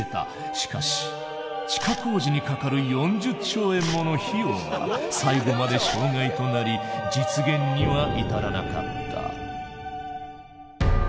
しかし地下工事にかかる４０兆円もの費用が最後まで障害となり実現には至らなかった。